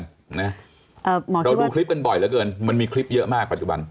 เราดูคลิปกันบ่อยเหลือเกินมันมีคลิปเยอะมากปัจจุบัน